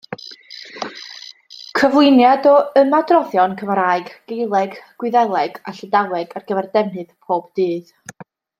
Cyflwyniad o ymadroddion Cymraeg, Gaeleg, Gwyddeleg a Llydaweg ar gyfer defnydd pob dydd.